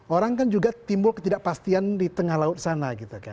orang kan juga timbul ketidakpastian di tengah laut sana